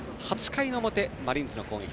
８回の表、マリーンズの攻撃。